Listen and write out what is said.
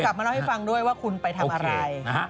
มาเล่าให้ฟังด้วยว่าคุณไปทำอะไร